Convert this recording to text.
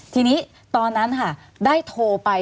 ทีนี้ตอนนั้นค่ะได้โทรไป